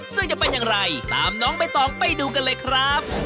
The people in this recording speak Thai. ซึ่งจะเป็นอย่างไรตามน้องใบตองไปดูกันเลยครับ